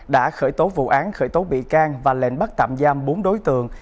đã khởi tố vụ án khởi tố bị can và lệnh bắt tạm giam bốn đối tượng